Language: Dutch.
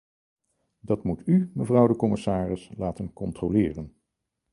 Dat moet u, mevrouw de commissaris, laten controleren.